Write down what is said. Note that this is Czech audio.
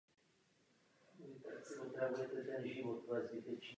Vedle presbytáře byla kazatelna a na pozemku vedle kostela se nacházel hřbitov.